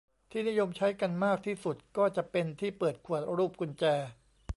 ที่นิยมใช้กันมากที่สุดก็จะเป็นที่เปิดขวดรูปกุญแจ